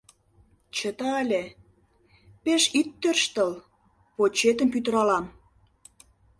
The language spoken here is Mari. Чыте але, пеш ит тӧрштыл, почетым пӱтыралам.